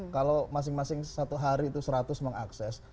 kalau masing masing satu hari itu seratus mengakses